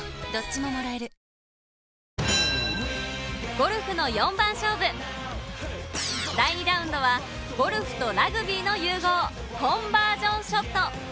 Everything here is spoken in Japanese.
ゴルフの４番勝負第２ラウンドはゴルフとラグビーの融合コンバージョンショット